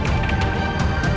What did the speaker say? saya akan mencari kepuasan